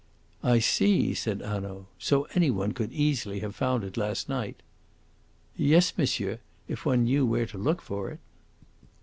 "I see," said Hanaud. "So any one could easily, have found it last night?" "Yes, monsieur if one knew where to look for it."